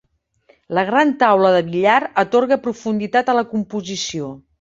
La gran taula de billar atorga profunditat a la composició.